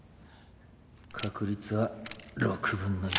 確率は６分の１。